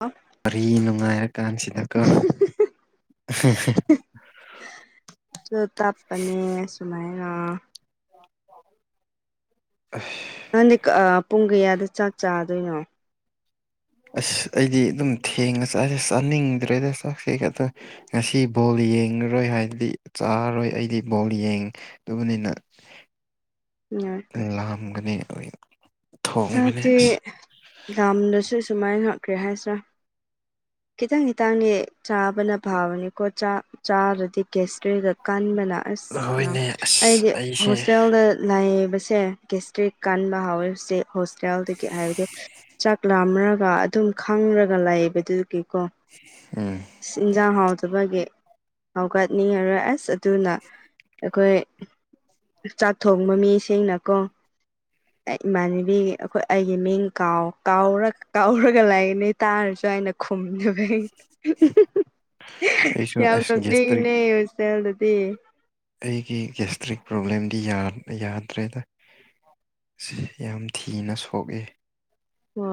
ꯑ ꯋꯥꯔꯤ ꯅꯨꯡꯉꯥꯏꯔꯀꯥꯟꯁꯤꯗꯀꯣ [unintelligible] ꯑꯩꯁꯨ ꯇꯞꯄꯅꯦ ꯑꯁꯨꯃꯥꯏꯅ ꯑꯁ ꯅꯪꯗꯤ ꯑ ꯄꯨꯡ ꯀꯌꯥꯗ ꯆꯥꯛ ꯆꯥꯗꯣꯏꯅꯣ ꯑꯁ ꯑꯩꯗꯤ ꯑꯗꯨꯝ ꯊꯦꯡꯉ ꯆꯥꯏ ꯆꯥꯅꯤꯡꯗ꯭ꯔꯦꯗ ꯆꯥꯛꯁꯦ ꯑ ꯀꯩꯅꯣ ꯇꯧ ꯉꯁꯤ ꯕꯣꯜ ꯌꯦꯡꯉꯔꯣꯏ ꯍꯥꯏꯔꯗꯤ ꯆꯥꯔꯔꯣꯏ ꯑꯩꯗꯤ ꯕꯣꯜ ꯌꯦꯡꯗꯧꯕꯅꯤꯅ ꯎꯝ ꯅꯪ ꯂꯥꯛꯑꯝꯒꯅꯤ ꯑꯍꯣꯏ ꯆꯥꯛꯁꯦ ꯂꯥꯝꯂꯁꯨ ꯁꯨꯃꯥꯏꯅ ꯀꯔꯤ ꯍꯥꯏꯁꯤꯔꯥ [inaudible] ꯈꯤꯇꯪ ꯈꯤꯇꯪꯅꯦ ꯆꯥꯕꯅ ꯐꯕꯅꯤꯀꯣ ꯆꯥꯛ ꯆꯥꯔꯗꯤ ꯒꯦꯁꯇ꯭ꯔꯦꯗ ꯀꯟꯕꯅ ꯑꯁ ꯅꯪ ꯍꯣꯏꯅꯦ ꯑꯁ ꯑꯩꯗꯤ ꯑꯩꯁꯦ ꯍꯣꯁꯇꯦꯜꯗ ꯂꯩꯕꯁꯦ ꯒꯦꯁꯇ꯭ꯔꯤꯛ ꯀꯟꯕ ꯍꯧꯋꯦꯕꯁꯦ ꯍꯣꯁꯇꯦꯜꯗꯒꯤ ꯍꯥꯏꯕꯗꯤ ꯆꯥꯛ ꯂꯥꯝꯔꯒ ꯑꯗꯨꯝ ꯈꯪꯔꯒ ꯂꯩꯕꯗꯨꯗꯤ ꯀꯣ ꯎꯝ ꯏꯁ ꯏꯟꯖꯥꯡ ꯍꯥꯎꯇꯕꯒꯤ ꯍꯧꯒꯠꯅꯤꯡꯉꯔꯣꯏ ꯑꯁ ꯑꯗꯨꯅ ꯑꯩꯈꯣꯏ ꯆꯥꯛ ꯊꯣꯡꯕ ꯃꯤ ꯁꯤꯡꯅꯀꯣ ꯑꯩ ꯏꯃꯥꯟꯅ ꯃꯤ ꯑꯩꯈꯣꯏ ꯑꯩꯒꯤ ꯃꯤꯡ ꯀꯥꯎ ꯀꯥꯎꯔ ꯀꯥꯎꯔꯒ ꯂꯩꯕꯅꯦ ꯇꯥꯔꯁꯨ ꯑꯩꯅ ꯈꯨꯝꯗꯕꯅꯤ ꯑꯩꯁꯨ ꯌꯥꯝ ꯑꯁ ꯒꯦꯁꯇ꯭ꯔꯤꯛ ꯅꯣꯛꯅꯤꯡꯅꯦ ꯍꯣꯁꯇꯦꯜꯗꯗꯤ ꯑꯩꯒꯤ ꯒꯦꯁꯇ꯭ꯔꯤꯛ ꯄ꯭ꯔꯣꯕ꯭ꯂꯦꯝꯗꯤ ꯌꯥꯝꯅ ꯌꯥꯗ꯭ꯔꯦꯗ ꯁꯤ ꯌꯥꯝ ꯊꯤꯅ ꯁꯣꯛꯑꯦ ꯍꯣꯏ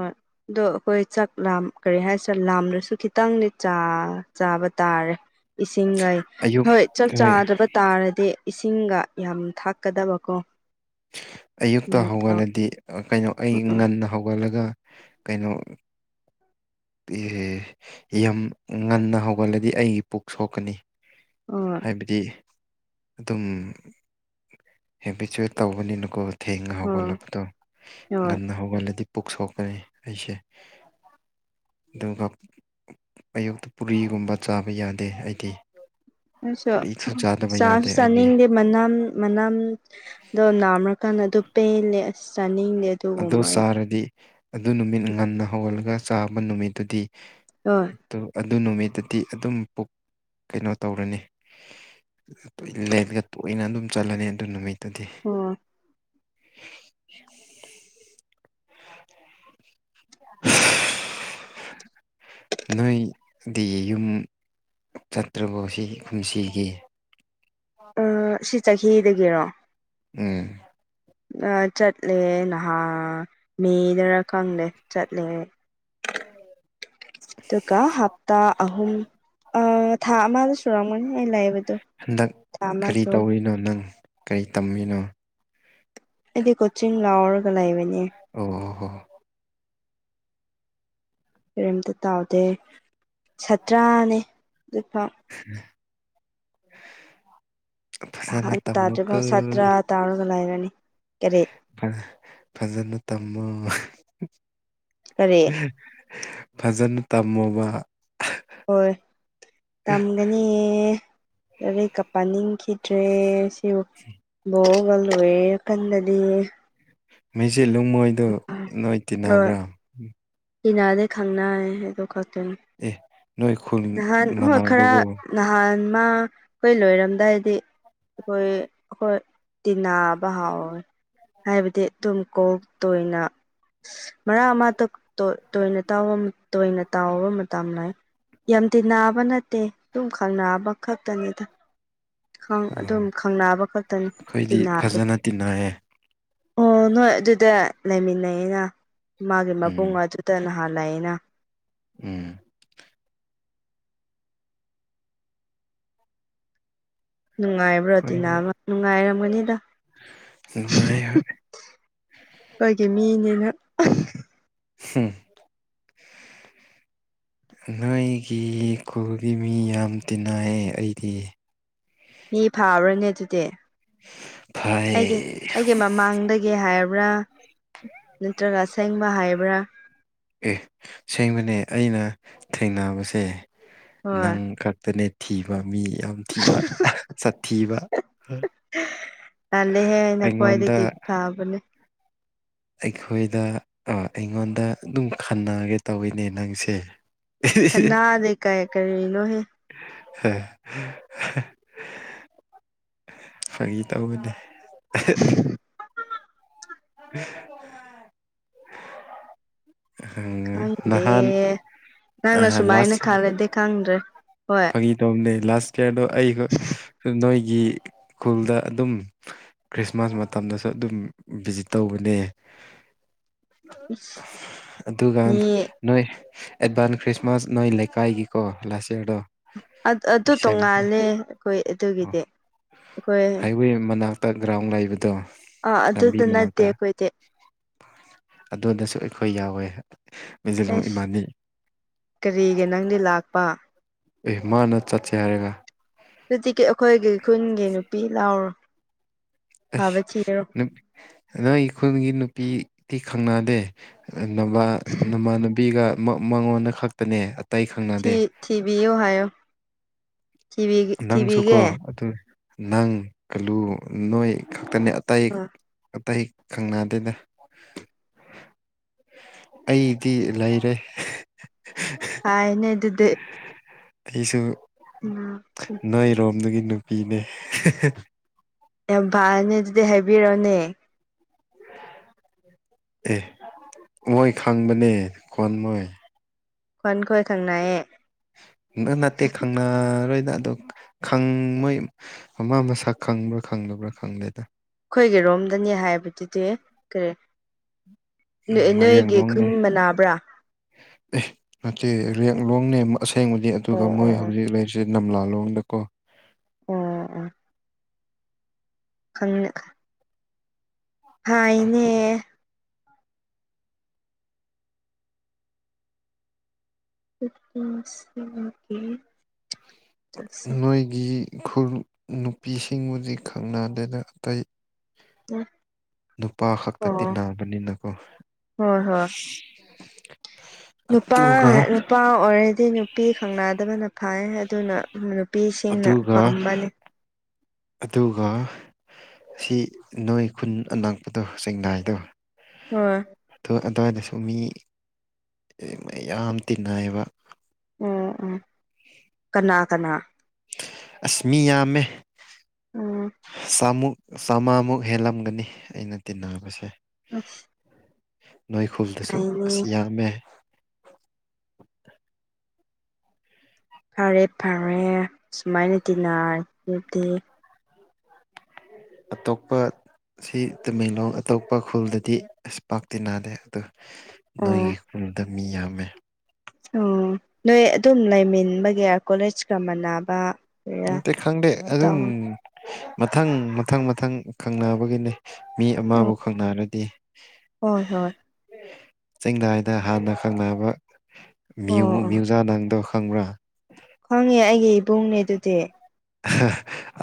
ꯑꯗꯣ ꯑꯩꯈꯣꯏ ꯆꯥꯛ ꯂꯥꯝ ꯀꯔꯤ ꯍꯥꯏꯁꯤꯔꯦ ꯂꯥꯝꯔꯁꯨ ꯈꯤꯇꯪꯗꯤ ꯆꯥ ꯆꯥꯕ ꯇꯥꯔꯦ ꯏꯁꯤꯡꯒꯥꯏ ꯑꯌꯨꯛ ꯍꯣꯏ ꯆꯥꯛ ꯍꯣꯏ ꯆꯥꯗ꯭ꯔꯕ ꯇꯥꯔꯗꯤ ꯏꯁꯤꯡꯒ ꯌꯥꯝ ꯊꯥꯛꯀꯗꯕ ꯀꯣ ꯑꯌꯨꯛꯇ ꯍꯧꯒꯠꯂꯗꯤ ꯑꯀꯩꯅꯣ ꯑꯩ ꯉꯟꯅ ꯍꯧꯒꯠꯂꯒ ꯀꯩꯅꯣ ꯏꯍꯦ ꯌꯝ ꯉꯟꯅ ꯍꯧꯒꯠꯂꯗꯤ ꯑꯩꯒꯤ ꯄꯨꯛ ꯁꯣꯛꯀꯅꯤ ꯍꯣꯏ ꯍꯥꯏꯕꯗꯤ ꯑꯗꯨꯝ ꯍꯦꯕꯤꯆꯨꯌꯦꯠ ꯇꯧꯕꯅꯤꯅꯀꯣ ꯊꯦꯡꯅ ꯍꯣꯏ ꯍꯧꯒꯠꯂꯛꯄꯗꯣ ꯍꯣꯏ ꯉꯟꯅ ꯍꯧꯒꯠꯂꯗꯤ ꯄꯨꯛ ꯁꯣꯛꯀꯅꯤ ꯑꯩꯁꯦ ꯗꯨꯒ ꯑꯌꯨꯛꯇ ꯄꯨꯔꯤꯒꯨꯝꯕ ꯆꯥꯕ ꯌꯥꯗꯦ ꯑꯩꯗꯤ ꯑꯩꯁꯨ ꯀꯔꯤꯁꯨ ꯆꯥꯗꯕ ꯆꯥꯁꯨ ꯌꯥꯗꯦ ꯑꯩꯗꯤ ꯆꯥꯅꯤꯡꯗꯦ ꯃꯅꯝ ꯃꯅꯥꯝꯗꯣ ꯅꯥꯝꯔꯀꯥꯟꯗ ꯑꯗꯨ ꯄꯦꯜꯂꯦ ꯑꯁ ꯆꯥꯅꯤꯡꯗꯦ ꯑꯗꯨꯒꯨꯝꯕ ꯑꯩ ꯔꯗꯤ ꯑꯗꯨ ꯅꯨꯃꯤꯠ ꯉꯟꯅ ꯍꯧꯒꯜꯂꯒ ꯆꯥꯕ ꯅꯨꯃꯤꯠꯇꯨꯗꯤ ꯑꯣꯏ ꯇꯨ ꯑꯗꯨ ꯅꯨꯃꯤꯠꯇꯨꯗꯤ ꯑꯗꯨꯝ ꯄꯨꯛ ꯀꯩꯅꯣ ꯇꯧꯔꯅꯤ ꯇꯣꯏꯂꯦꯠꯒ ꯇꯣꯏꯅ ꯑꯗꯨꯝ ꯆꯠꯂꯅꯤ ꯑꯗꯨ ꯅꯨꯃꯤꯠꯇꯨꯗꯤ ꯑꯣ [inaudible] ꯅꯣꯏꯗꯤ ꯌꯨꯝ ꯆꯠꯇ꯭ꯔꯕꯣ ꯁꯤꯒꯤ ꯀꯨꯝꯁꯤꯒꯤ ꯑꯥ ꯁꯤ ꯆꯍꯤꯗꯒꯤꯔꯣ ꯎꯝ ꯑꯥ ꯆꯠꯂꯦ ꯅꯍꯥ ꯃꯦꯗꯔꯥ ꯈꯪꯗꯦ ꯆꯠꯂꯦ [inaudible] ꯗꯨꯒꯥ ꯀ ꯍꯞꯇꯥ ꯑꯍꯨꯝ ꯑ ꯊꯥ ꯑꯃꯗ ꯁꯨꯔꯝꯒꯅꯤ ꯑꯩ ꯂꯩꯕꯗꯣ ꯍꯟꯗꯛ ꯊꯥ ꯑꯃ ꯀꯔꯤ ꯁꯨ ꯇꯧꯔ ꯔꯤꯅꯣ ꯅꯪ ꯀꯩ ꯇꯝꯃꯤꯅꯣ ꯑꯩꯗꯤ ꯀꯣꯆꯤꯡ ꯂꯥꯎꯔꯒ ꯂꯩꯕꯅꯦ ꯑꯣ ꯍꯣ ꯍꯣ ꯀꯔꯤꯝꯇ ꯇꯥꯎꯗꯦ ꯁꯠꯇ꯭ꯔꯥꯅꯦ ꯖꯤꯛꯐꯥꯎ ꯐꯖꯅ ꯑꯍꯥꯟꯕ ꯇꯝꯃꯨꯀꯣ ꯇꯥꯗ꯭ꯔꯤꯐꯥꯎ ꯁꯥꯇ꯭ꯔꯥ ꯇꯥꯎꯔꯒ ꯂꯩꯔꯅꯤ ꯀꯔꯤ ꯐꯖ ꯐꯖꯅ ꯇꯝꯃꯣ ꯀꯔꯤ ꯐꯖꯅ ꯇꯝꯃꯣꯕ ꯍꯣꯏ ꯇꯝꯒꯅꯤꯌꯦ ꯂꯔꯤꯛꯀ ꯄꯥꯅꯤꯡꯈꯤꯗ꯭ꯔꯦ ꯁꯤꯕꯨ ꯂꯣꯡꯉ ꯂꯣꯏꯔꯦ ꯈꯟꯗꯗꯤ ꯃꯦꯖꯤꯂꯨꯡ ꯃꯣꯏꯗꯣ ꯅꯣꯏ ꯇꯤꯟꯅꯕ꯭ꯔꯥ ꯇꯤꯅꯥꯗꯦ ꯈꯪꯅꯥꯏ ꯑꯗꯨ ꯈꯛꯇꯅꯤ ꯑꯦ ꯅꯣꯏ ꯈꯨꯜ ꯅꯍꯥꯟ ꯍꯣꯏ ꯈꯔ ꯃꯅꯥꯕꯕꯨ ꯅꯍꯥꯟ ꯃꯥ ꯈꯣꯏ ꯂꯣꯏꯔꯝꯗꯥꯏꯗꯤ ꯑꯩꯈꯣꯏ ꯑꯩꯈꯣꯏ ꯇꯤꯅꯥꯕ ꯍꯥꯎꯋꯦ ꯍꯥꯏꯕꯗꯤ ꯇꯨꯝꯀꯣꯜ ꯇꯣꯏꯅ ꯃꯔꯥ ꯑꯃ ꯇꯛ ꯇꯣ ꯇꯣꯏꯅ ꯇꯥꯎꯕ ꯇꯣꯏꯅ ꯇꯥꯎꯕ ꯃꯇꯝꯂꯩ ꯌꯥꯝ ꯇꯤꯅꯥꯕ ꯅꯠꯇꯦ ꯗꯨꯨꯝ ꯈꯪꯅꯥꯕ ꯈꯛꯇꯅꯤꯗ ꯈꯡ ꯑꯗꯨꯝ ꯈꯪꯅꯕ ꯈꯛꯇꯅꯤ ꯑꯩꯈꯣꯏꯗꯤ ꯇꯤꯟꯅꯗꯦ ꯐꯖꯅ ꯇꯤꯟꯅꯩꯌꯦ ꯑꯣ ꯅꯣꯏ ꯑꯗꯨꯗ ꯂꯩꯃꯤꯟꯅꯩꯌꯦꯅ ꯃꯥꯒꯤ ꯎꯝ ꯃꯕꯨꯡ ꯑꯗꯨ ꯇꯅꯥꯍꯟ ꯂꯩꯥꯏꯅ ꯎꯝ ꯅꯨꯡꯉꯥꯏꯕ꯭ꯔꯣ ꯑꯩꯈꯣꯏꯗꯤ ꯇꯤꯅꯕ ꯅꯨꯡꯉꯥꯏꯔꯝꯒꯅꯤꯗ ꯅꯨꯡꯉꯥꯏ ꯍꯣꯏ ꯑꯩꯈꯣꯏꯒꯤ ꯃꯤꯅꯤꯅ ꯍꯝ ꯅꯣꯏꯒꯤ ꯈꯨꯜꯒꯤ ꯃꯤ ꯌꯥꯝ ꯇꯤꯟꯅꯏꯑꯦ ꯑꯩꯗꯤ ꯃꯤ ꯐꯥꯕ꯭ꯔꯅꯦ ꯑꯗꯨꯗꯤ ꯑꯩꯒꯤ ꯐꯥꯏꯌꯦ ꯑꯩꯒꯤ ꯃꯃꯥꯡꯗꯒꯤ ꯍꯥꯏꯕ꯭ꯔꯥ ꯅꯠꯇ꯭ꯔꯒ ꯑꯁꯦꯡꯕ ꯍꯥꯏꯕ꯭ꯔꯥ ꯑꯦ ꯁꯦꯡꯕꯅꯦ ꯑꯩꯅ ꯊꯦꯡꯅꯕꯁꯦ ꯍꯣꯏ ꯅꯪ ꯈꯛꯇꯅꯦ ꯊꯤꯕ ꯃꯤ ꯌꯥꯝ ꯊꯤꯕ ꯁꯥꯠꯊꯤꯕ ꯑꯩꯉꯣꯟꯗ ꯇꯥꯕꯅꯦ ꯑꯩꯈꯣꯏꯗ ꯑꯥ ꯑꯩꯉꯣꯟꯗ ꯑꯗꯨꯝ ꯈꯟꯅꯒꯦ ꯇꯧꯋꯤꯅꯦ ꯅꯪꯁꯦ ꯈꯟꯅꯥꯗꯦ ꯀꯥꯏ ꯀꯔꯤꯅꯣꯍꯦ ꯍ [unintelligible] ꯐꯒꯤ ꯇꯧꯕꯅꯦ [unintelligible] ꯎ ꯈꯪꯗꯦ ꯅꯍꯥꯟ ꯑꯍ ꯂꯥꯁ ꯗꯦ ꯈꯪꯗ꯭ꯔꯦ ꯍꯣꯏ ꯐꯒꯤ ꯇꯧꯅꯦ ꯂꯥꯁ ꯏꯌꯥꯔꯗꯣ ꯑꯩ ꯅꯣꯏꯒꯤ ꯈꯨꯨꯜꯗ ꯑꯗꯨꯝ ꯈ꯭ꯔꯤꯁꯃꯥꯁ ꯃꯇꯝꯗꯁꯨ ꯑꯗꯨꯝ ꯚꯤꯖꯤꯠ ꯇꯧꯕꯅꯦ ꯑꯗꯨꯒꯥꯟ ꯃꯤ ꯅꯣꯏ ꯑꯦꯠꯕꯥꯟ ꯈ꯭ꯔꯤꯁꯃꯥꯁ ꯅꯣꯏ ꯂꯩꯀꯥꯏꯒꯤꯀꯣ ꯂꯥꯁ ꯏ꯭ꯌꯥꯔꯗꯣ ꯑꯗꯨ ꯇꯣꯡꯉꯥꯜꯂꯦ ꯑꯩꯈꯣꯏ ꯑꯗꯨꯒꯤꯗꯤ ꯑꯈꯣꯏ ꯋꯦ ꯃꯅꯥꯛꯇ ꯒ꯭ꯔꯥꯎꯟ ꯂꯩꯕꯗꯣ ꯑꯥ ꯂꯝꯕꯤ ꯑꯗꯨꯗ ꯅꯠꯇꯦ ꯃꯅꯥꯛꯇ ꯑꯩꯈꯣꯏꯗꯤ ꯑꯗꯨꯗꯁꯨ ꯑꯩꯈꯣꯏ ꯌꯥꯎꯋꯦ ꯃꯤꯖꯤꯂꯣꯡ ꯑꯦꯁ ꯏꯕꯥꯅꯤ ꯀꯔꯤꯒꯤ ꯅꯪꯗꯤ ꯂꯥꯛꯄ ꯑꯦ ꯃꯥꯅ ꯆꯠꯁꯦ ꯍꯥꯏꯔꯒ ꯑꯗꯨꯇꯤꯀꯤ ꯑꯩꯈꯣꯏꯒꯤ ꯈꯨꯟꯒꯤ ꯅꯨꯄꯤ ꯂꯥꯎꯔ ꯑꯁ ꯅꯨꯞ ꯅꯣꯏꯒꯤ ꯈꯨꯜꯒꯤ ꯅꯨꯄꯤꯗꯤ ꯈꯪꯅꯗꯦ ꯅꯃꯥꯟ ꯅꯃꯥꯟꯅꯕꯤꯒ ꯃꯥ ꯃꯉꯣꯟꯗ ꯈꯛꯇꯅꯦ ꯑꯇꯩ ꯈꯪꯅꯗꯦ ꯊꯤꯕꯤꯌꯣ ꯍꯥꯏꯌꯣ ꯊꯤꯕꯤꯒꯦ ꯅꯪꯁꯨꯀꯣ ꯊꯤꯕꯤꯒꯦ ꯑꯗꯨ ꯅꯪ ꯀꯜꯂꯨ ꯅꯣꯏ ꯈꯛꯇꯅꯦ ꯑꯇꯩ ꯑ ꯑꯇꯩ ꯈꯪꯅꯗꯦꯗ ꯑꯩꯗꯤ ꯂꯩꯔꯦ ꯀꯥꯏꯅꯦ ꯑꯗꯨꯗꯤ ꯑꯩꯁꯨ ꯎꯝ ꯅꯣꯏꯔꯣꯝꯗꯒꯤ ꯅꯨꯄꯤꯅꯦ ꯌꯥꯝ ꯐꯔꯅꯤ ꯑꯗꯨꯗꯤ ꯍꯥꯏꯕꯤꯔꯣꯅꯦ ꯑꯦ ꯃꯣꯏ ꯈꯪꯕꯅꯦ ꯀꯣꯟ ꯃꯣꯏ ꯈꯣꯟ ꯈꯣꯏ ꯈꯪꯅꯌꯦ ꯅ ꯅꯠꯇꯦ ꯈꯪꯅꯔꯣꯏꯗ ꯑꯗꯣ ꯈꯪ ꯃꯣꯏ ꯃꯥ ꯃꯁꯛ ꯈꯪꯕ꯭ꯔꯥ ꯈꯪꯗꯕ꯭ꯔꯥ ꯈꯪꯗꯦ ꯑꯩꯈꯣꯏꯒꯤ ꯔꯣꯝꯗꯅꯤ ꯍꯥꯏꯕꯗꯨꯗꯤ ꯀꯔꯤ ꯎꯝ ꯅꯣꯏ ꯅꯣꯏꯒꯤ ꯈꯨꯟ ꯃꯔꯦꯡꯂꯣꯡꯅꯦ ꯃꯅꯥꯕ꯭ꯔꯥ ꯑꯦ ꯅꯇꯦ ꯌꯥ ꯂꯣꯡꯅꯦ ꯑꯁꯦꯡꯕꯅꯤ ꯑꯣ ꯑꯗꯨꯒ ꯃꯣꯏ ꯑꯣ ꯑꯣ ꯍꯧꯖꯤꯛ ꯂꯩꯔꯤꯁꯦ ꯅꯝꯂꯥꯂꯣꯡꯗꯀꯣ ꯑꯣ ꯑꯣ ꯈꯪꯅꯦ ꯍꯥꯏꯅꯦ ꯁꯦ [unintelligible] ꯅꯣꯏꯒꯤ ꯈꯨ ꯅꯨꯄꯤꯁꯤꯡꯕꯨꯗꯤ ꯈꯪꯅꯗꯦꯗ ꯑꯇꯩ ꯎꯝ ꯅꯨꯄꯥ ꯈꯛꯇ ꯇꯤꯟꯅꯕꯅꯤꯅꯀꯣ ꯍꯣꯏ ꯍꯣꯏ ꯅꯨꯄꯥ ꯑꯗꯨꯒ ꯅꯨꯄꯥ ꯑꯣꯏꯔꯗꯤ ꯅꯨꯄꯤ ꯈꯪꯅꯗꯕꯅ ꯐꯥꯏ ꯑꯗꯨꯅ ꯎꯝ ꯅꯨꯄꯤꯁꯤꯡꯅ ꯑꯗꯨꯒ ꯄꯥꯝꯕꯅꯤ ꯑꯗꯨꯒ ꯁꯤ ꯅꯣꯏ ꯈꯨꯟ ꯑꯅꯛꯄꯗꯣ ꯆꯦꯡꯅꯥꯏꯗꯣ ꯍ ꯑꯗꯨ ꯑꯗ꯭ꯋꯥꯏꯗꯁꯨ ꯃꯤ ꯃꯌꯥꯝ ꯇꯤꯟꯅꯩꯌꯦꯕ ꯎꯝ ꯎꯝ ꯀꯅꯥ ꯀꯅꯥ ꯑꯁ ꯃꯤꯌꯥꯝꯃꯦ ꯎꯝ ꯆꯥꯝꯃꯨꯛ ꯆꯥꯝꯃꯉꯥꯃꯨꯛ ꯍꯦꯜꯂꯝꯒꯅꯤ ꯑꯩꯅ ꯇꯤꯟꯅꯕꯁꯦ ꯑꯁ ꯅꯣꯏ ꯈꯨꯜꯗꯁꯨ ꯍꯥꯏꯅꯤ ꯑꯁ ꯌꯥꯝꯃꯦ ꯐꯔꯦ ꯐꯔꯦ ꯁꯨꯃꯥꯏꯅ ꯇꯤꯟꯅ ꯑꯗꯨꯗꯤ ꯑꯇꯣꯞꯄ ꯁꯤ ꯇꯃꯦꯡꯂꯣꯡ ꯑꯇꯣꯞꯄ ꯈꯨꯜꯗꯗꯤ ꯑꯁ ꯄꯥꯛꯇꯤꯅꯥꯗꯦ ꯗ ꯅꯣꯏꯒꯤ ꯈꯨꯜꯗ ꯃꯤ ꯌꯥꯝꯃꯦ ꯑꯣ ꯅꯣꯏ ꯑꯗꯨꯝ ꯂꯩꯃꯤꯟꯕꯒꯤ ꯀꯣꯂꯦꯖꯀ ꯃꯥꯟꯅꯕ ꯀꯔꯤꯔꯥ ꯅꯇꯦ ꯈꯪꯗꯦ ꯑꯗꯨꯝ ꯑꯣ ꯃꯊꯪ ꯃꯊꯪ ꯃꯊꯪ ꯈꯪꯅꯕꯒꯤꯅꯦ ꯃꯤ ꯑꯃꯕꯨ ꯈꯪꯅꯔꯗꯤ ꯍꯣꯏ ꯍꯣꯏ ꯆꯤꯡꯗꯥꯏꯗ ꯍꯥꯟꯅ ꯈꯪꯅꯕ ꯃ꯭ꯌꯨ ꯑꯣ ꯑꯣ ꯃ꯭ꯌꯨꯖꯥ ꯅꯪꯗꯣ ꯈꯪꯕ꯭ꯔꯥ ꯈꯪꯉꯦ ꯑꯩꯒꯤ ꯏꯕꯨꯡꯅꯦ ꯑꯗꯨꯗꯤ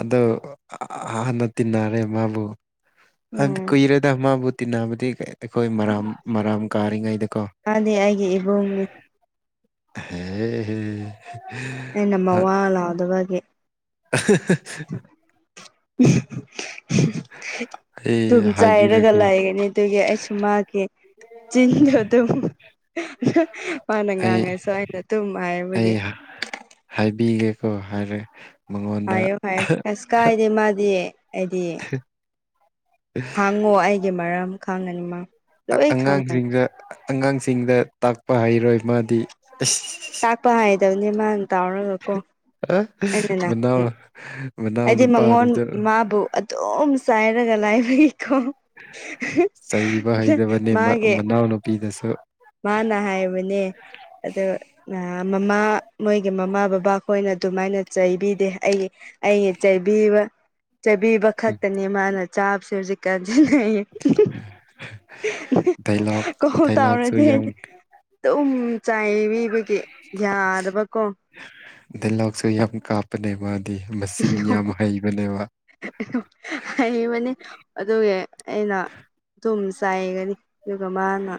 ꯑꯗꯣ ꯍꯥꯟꯅ ꯇꯤꯟꯅꯔꯦ ꯃꯥꯕꯨ ꯍꯥꯏꯗꯤ ꯎꯝ ꯀꯨꯏꯔꯦꯗ ꯃꯥꯕꯨ ꯇꯤꯟꯅꯕꯗꯤ ꯑꯩꯈꯣꯏ ꯃꯔꯥꯝ ꯃꯔꯥꯝ ꯀꯥꯔꯤꯉꯩꯗꯀꯣ ꯃꯥꯗꯤ ꯑꯩꯒꯤ ꯏꯕꯨꯡꯅꯦ ꯍꯦ ꯍꯦ ꯑꯩꯅ ꯃꯋꯥ ꯂꯥꯎꯗꯕꯒꯤ [unintelligible] ꯑꯩ ꯇꯝ ꯆꯥꯏꯔꯒ ꯍꯥꯏꯕꯤꯔꯒꯦ ꯂꯥꯏꯔꯒꯂꯑꯒꯅꯤ ꯑꯗꯨꯒꯤ ꯑꯩꯁꯨ ꯃꯥꯈꯤ ꯆꯤꯟꯗꯣ ꯑꯗꯨꯨꯝ ꯃꯥꯅ ꯑꯩ ꯉꯥꯡꯉꯁꯨ ꯑꯩꯅ ꯇꯨꯝ ꯍꯥꯏꯕꯒꯤ ꯑꯩ ꯍꯥꯏꯕꯤꯒꯦꯀꯣ ꯍꯥꯏꯔꯦ ꯃꯉꯣꯟꯗ ꯍꯥꯏꯌꯣ ꯍꯥꯏꯌꯣ ꯀꯩꯁꯨ ꯀꯥꯏꯗꯦ ꯃꯥꯗꯤ ꯑꯩꯗꯤ [inaudible] ꯍꯥꯡꯉꯣ ꯑꯩꯒꯤ ꯃꯔꯝ ꯈꯥꯡꯒꯅꯤ ꯃ ꯂꯣꯏ ꯈꯪꯒꯅꯤ ꯑꯉꯥꯡꯁꯤꯡꯗ ꯑꯉꯥꯡꯁꯤꯡꯗ ꯇꯥꯛꯄ ꯍꯩꯔꯣꯏ ꯃꯥꯗꯤ ꯏꯁꯁ ꯇꯥꯛꯄ ꯍꯩꯇꯕꯅꯦ ꯃꯥ ꯑ ꯃꯅꯥꯎ ꯃꯅꯥꯎ ꯍꯥꯏꯗꯤ ꯃꯉꯣꯟ ꯅꯨꯄꯥꯗꯨꯁꯨ ꯃꯥꯕꯨ ꯑꯗꯨꯝ ꯆꯥꯏꯔꯒ ꯂꯥꯏꯕꯒꯤꯀꯣ ꯆꯩꯕ ꯍꯩꯇꯕꯅꯅꯦ ꯃꯥ ꯃꯥꯒꯤ ꯃꯅꯥꯎꯅꯨꯄꯤꯗꯁꯨ ꯃꯥꯅ ꯍꯥꯏꯕꯅꯦ ꯑꯗꯣ ꯑꯥ ꯃꯃꯥ ꯃꯣꯏꯒꯤ ꯃꯃꯥ ꯕꯕꯥ ꯈꯣꯏꯅ ꯑꯗꯨꯃꯥꯏꯅ ꯆꯩꯕꯤꯗꯦ ꯑꯩ ꯑꯩꯩꯅ ꯆꯩꯕꯤꯕ ꯆꯩꯥꯏꯕꯤꯕ ꯈꯛꯇꯅꯤ ꯃꯥꯅ ꯆꯥꯕꯁꯦ ꯍꯧꯖꯤꯛ ꯀꯥꯟꯁꯦꯅ ꯑꯩꯅꯥ ꯗꯥꯏꯂꯣꯛ ꯀꯣꯜ ꯗꯥꯏꯂꯣꯛꯁꯨ ꯇꯧꯔꯗꯤ ꯌꯥꯝ ꯑꯗꯨꯝ ꯆꯥꯏꯕꯤꯕꯒꯤ ꯌꯥꯗꯕꯀꯣ ꯗꯥꯏꯂꯣꯛꯁꯨ ꯌꯥꯝ ꯀꯥꯞꯄꯅꯦ ꯃꯥꯗꯤ ꯃꯆꯤꯟ ꯌꯥꯝ ꯍꯩꯕꯅꯦꯕ ꯍꯩꯕꯅꯤ ꯑꯗꯨꯒꯤ ꯑꯩꯅ ꯑꯗꯨꯨꯝ ꯆꯥꯏꯒꯅꯤ ꯑꯗꯨꯒ ꯃꯥꯅ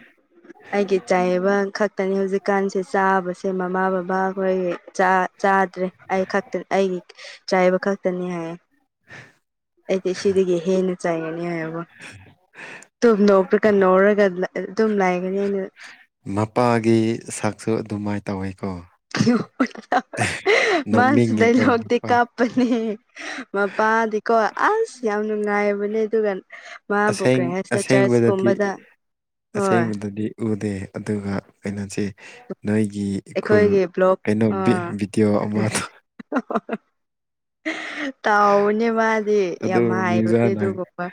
ꯑꯩꯒꯤ ꯆꯥꯏꯕ ꯈꯛꯇꯅꯦ ꯍꯧꯖꯤꯛꯀꯥꯟꯁꯦ ꯆꯥꯕꯁꯦ ꯃꯃꯥ ꯕꯕꯥ ꯑꯩꯈꯣꯏꯒꯤ ꯆꯥ ꯆꯥꯗ꯭ꯔꯦ ꯑꯩ ꯈꯛꯇ ꯑꯩꯒꯤ ꯆꯥꯏꯕ ꯈꯛꯇꯅꯤ ꯍꯥꯏꯌꯦ ꯑꯩꯗꯤ ꯑꯁꯤꯗꯒꯤ ꯍꯦꯟ ꯆꯩꯥꯏꯒꯅꯤ ꯍꯥꯏꯕ ꯑꯗꯨꯨꯝ ꯅꯣꯛꯔꯒ ꯅꯣꯛꯔꯒ ꯑꯗꯨꯝ ꯂꯥꯏꯒꯅꯤ ꯅꯨ ꯃꯄꯥꯒꯤ ꯁꯛꯁꯨ ꯑꯗꯨꯃꯥꯏ ꯇꯧꯋꯦꯀꯣ ꯍꯥ ꯍꯥ ꯍꯥ ꯃꯥꯁꯤꯗꯩꯩ ꯅꯣꯛꯅꯤꯡꯉꯤꯀꯣ ꯂꯣꯛꯇꯤ ꯃꯄꯥ ꯀꯥꯞ ꯅꯦ ꯃꯄꯥꯗꯤꯀꯣ ꯑꯁ ꯌꯥꯝ ꯅꯨꯡꯉꯥꯏꯕꯅꯦ ꯑꯗꯨꯒ ꯃꯥꯕꯨ ꯑꯁꯦꯡ ꯀꯔꯤ ꯍꯥꯏꯁꯤꯔ ꯆꯔꯆ ꯑꯁꯦꯡꯕꯗꯗꯤ ꯀꯨꯝꯕꯗ ꯍꯣꯏ ꯑꯁꯦꯡꯕꯗꯗꯤ ꯎꯗꯦ ꯑꯗꯨꯒ ꯀꯩꯅꯣꯁꯦ ꯅꯣꯏꯒꯤ ꯏꯈꯨꯜ ꯑꯩꯈꯣꯏꯒꯤ ꯕ꯭ꯂꯣꯛ ꯀꯩꯅꯣ ꯚꯤ ꯚꯤꯗꯤꯑꯣ ꯑꯃꯗꯣ [inaudible] ꯇꯥꯎꯅꯦ ꯃꯥꯗꯤ ꯑꯗꯨ ꯌꯥꯝ ꯍꯥꯏꯕꯅꯦ ꯑꯗꯨꯒꯨꯝꯕ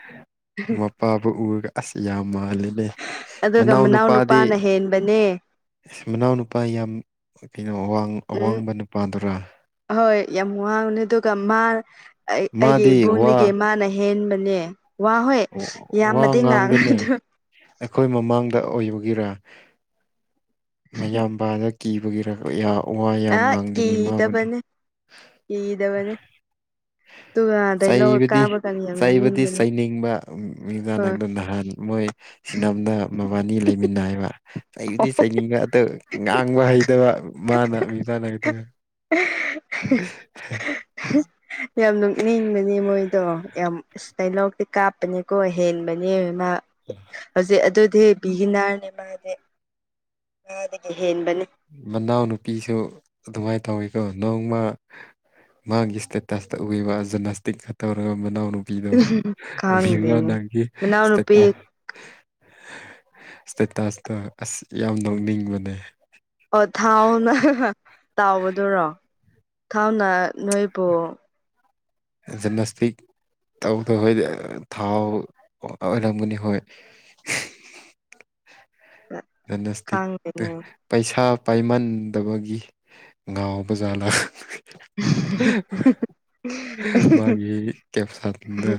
ꯍꯥ ꯍꯥ ꯃꯥꯕꯨ ꯎꯔꯒ ꯑꯁ ꯌꯥꯝ ꯃꯥꯜꯂꯤꯅꯦ ꯑꯗꯨꯒ ꯃꯅꯥꯎ ꯅꯨꯄꯥꯗꯤ ꯅꯨꯄꯥꯅ ꯍꯦꯟꯕꯅꯦ ꯃꯅꯥꯎ ꯅꯨꯄꯥ ꯌꯥꯝ ꯀꯩꯅꯣ ꯑꯋꯥꯡ ꯎꯝ ꯑꯋꯥꯡꯕ ꯅꯨꯄꯥꯗꯨꯔꯥ ꯍꯣꯏ ꯌꯥꯝ ꯋꯥꯡꯕꯅꯦ ꯑꯗꯨꯒ ꯃꯥ ꯑꯩ ꯑꯩꯒꯤ ꯃꯥꯗꯤ ꯏꯕꯨꯡꯗꯒꯤ ꯋꯥ ꯃꯥꯅ ꯍꯦ ꯍꯦꯟꯕꯅꯦ ꯋꯥ ꯍꯣꯏ ꯋꯥ ꯌꯥꯝꯃꯗꯤ ꯉꯥꯡꯗꯦꯅꯦ ꯉꯥꯡꯉꯦꯗꯣ ꯑꯩꯈꯣꯏ ꯃꯃꯥꯡꯗ ꯑꯣꯏꯕꯒꯤꯔ ꯃꯌꯥꯝꯕꯗꯣ ꯀꯤꯕꯒꯤꯔ ꯑꯣꯌꯥꯎ ꯑ ꯀꯤꯗꯕꯅꯦ ꯀꯤꯗꯕꯅꯦ ꯇꯨ ꯑꯗꯩ ꯂꯧ ꯆꯩꯕꯗꯤ ꯀꯥꯕꯒꯥ ꯅꯤꯕꯥ ꯆꯩꯕꯗꯤ ꯆꯩꯅꯤꯡꯕ ꯃꯤꯅ ꯅꯪꯗꯣ ꯅꯍꯥꯟ ꯃꯣꯏ ꯁꯤꯅꯝꯗ ꯃꯕꯥꯟꯅꯤ ꯂꯩꯃꯤꯟꯅꯩꯕ ꯆꯩꯕꯗꯤ ꯆꯩꯅꯤꯡꯕ ꯑꯗꯣ ꯉꯥꯡꯕ ꯍꯩꯇꯕ ꯃꯥꯅ ꯃꯤ ꯃꯅ [unintelligible] ꯍꯥ ꯍꯥ ꯍꯥ ꯌꯥꯝ ꯅꯣꯛꯅꯤꯡꯕꯅꯦ ꯃꯣꯏꯗꯣ ꯌꯥꯝ ꯗꯥꯏꯂꯣꯛꯇꯤ ꯀꯥꯞꯄꯅꯤꯀꯣ ꯍꯦꯟꯕꯅꯦ ꯃꯥ ꯎꯝ ꯍꯧꯖꯤꯛ ꯑꯗꯨꯗꯤ ꯕꯤꯒꯤꯅꯥꯔꯅꯦ ꯃꯥꯗꯤ ꯉꯥꯗꯒꯤ ꯍꯦꯟꯕꯅꯦ ꯃꯅꯥꯎꯅꯨꯄꯤꯁꯨ ꯑꯗꯨꯃꯥꯏ ꯇꯧꯋꯤꯀꯣ ꯅꯣꯡꯃ ꯃꯥꯥꯡꯒꯤ ꯏꯁꯇꯦꯇꯁꯇꯥ ꯎꯌꯦꯕ ꯖꯦꯅꯁꯇꯤꯛ ꯀꯥ ꯇꯧꯔꯒ ꯃꯅꯥꯎꯅꯨ ꯄꯤꯗꯣ ꯕꯤꯕꯥ ꯈꯪꯗꯦꯅꯦ ꯅꯪꯒꯤ ꯃꯅꯥꯎꯅꯨꯄꯤ ꯏꯁꯇꯦꯇꯁ ꯏꯁꯇꯦꯇꯥꯁꯇ ꯑꯁ ꯌꯥꯝ ꯅꯣꯛꯅꯤꯡꯕꯅꯦ ꯑꯣ ꯊꯥꯎꯅꯔ ꯇꯥꯎꯕꯗꯨꯔꯣ ꯊꯥꯎꯅ ꯅꯣꯏꯕꯨ ꯖꯤꯝꯅꯥꯁꯇꯤꯛ ꯇꯧꯗ ꯍꯣꯏꯗ ꯊꯥꯎ ꯑꯣꯏꯔꯝꯒꯅꯤ ꯍꯣꯏ ꯈꯪꯗꯦꯅꯦ ꯖꯅꯁꯇꯤꯛꯇ‌ꯩ ꯄꯩꯁꯥ ꯄꯥꯏꯃꯟꯗꯕꯒꯤ ꯉꯥꯎꯕ ꯖꯥꯂꯥ ꯃꯥꯒꯤ ꯀꯦꯞꯁꯟꯗ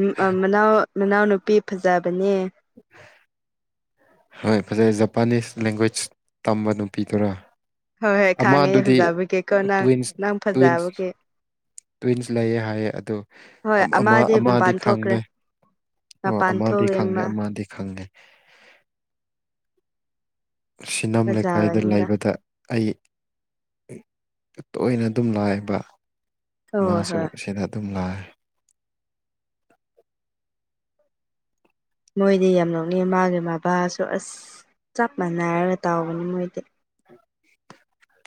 ꯎꯝ‌ ꯑ‌ ꯃꯅꯥꯎ ꯃꯅꯥꯎꯅꯨꯄꯤ ꯐꯖꯕꯅꯦ [inaudible] ꯍꯣꯏ ꯐꯖꯩ ꯖꯄꯥꯅꯤꯁ ꯂꯦꯡꯒ꯭ꯋꯦꯖ ꯇꯝꯕ ꯅꯨꯄꯤꯗꯨꯔꯥ ꯍꯣꯏ ꯍꯣꯏ ꯈꯥꯡꯉꯦ ꯑꯃꯗꯨꯗꯤ ꯐꯖꯕꯒꯤꯀꯣ ꯅꯪ ꯇ꯭ꯋꯤꯟꯁ ꯅꯪ ꯇ꯭ꯋꯤꯟꯁ ꯐꯖꯕꯒꯤ ꯇ꯭ꯋꯤꯟꯁ ꯂꯩꯌꯦ ꯍꯥꯏꯌꯦ ꯑꯗꯨ ꯍꯣꯏ ꯑꯃ‌ ꯑꯃꯗꯤ ꯃꯄꯥꯟ ꯊꯣꯛꯈ꯭ꯔꯦ ꯈꯪꯗꯦ ꯑꯣ ꯃꯄꯥꯟ ꯑꯃꯗꯤ ꯊꯣꯛꯑꯦ ꯈꯪꯗꯦ ꯃꯥ ꯑꯃꯗꯤ ꯈꯪꯉꯦ ꯁꯤꯅꯝ ꯂꯩꯀꯥꯏꯗ ꯐꯖꯕꯅꯤꯅ ꯂꯩꯕꯗ ꯑꯩ ꯇꯣꯏꯅ ꯑꯗꯨꯝ ꯂꯥꯛꯑꯦꯕ ꯍꯣꯏ ꯃꯥꯥꯁꯨ ꯍꯣꯏ ꯁꯤꯅ ꯑꯗꯨꯝ ꯂꯥꯏ ꯃꯣꯏꯗꯤ ꯌꯥꯝ ꯅꯣꯛꯅꯤ ꯃꯥꯒꯤ ꯃꯄꯥꯁꯨ ꯑꯁ ꯆꯞ ꯃꯥꯟꯅꯔꯒ ꯇꯥꯎꯕꯅꯤ ꯃꯣꯏꯗꯤ [inaudible]